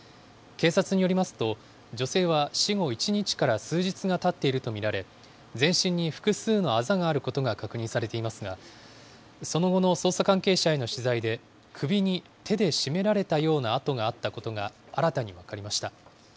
警察によりますと、女性は死後１日から数日がたっていると見られ、全身に複数のあざがあることが確認されていますが、その後の捜査関係者への取材で、首に手で絞められたような痕があったことが、新たに分かりました。